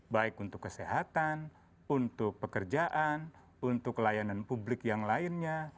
baik untuk kesehatan untuk pekerjaan untuk layanan publik yang lainnya